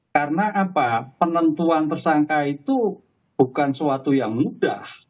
karena apa penentuan tersangka itu bukan suatu yang mudah